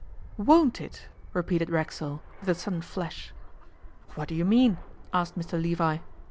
'Won't it?' repeated Racksole, with a sudden flash. 'What do you mean?' asked Mr Levi.